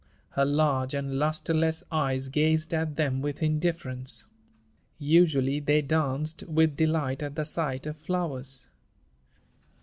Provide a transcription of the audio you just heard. Her large and lusterless eyes gazed at them with indifference. Usually they danced with delight at the sight of flowers.